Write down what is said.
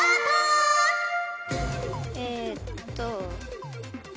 えっと。